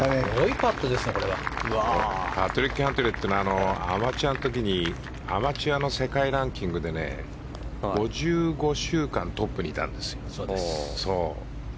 パトリック・キャントレーアマチュアの時にアマチュアの世界ランキングで５５週間トップにいたんですよ。